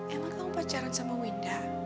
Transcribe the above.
emang kamu pacaran sama winda